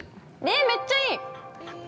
えー、めっちゃいい。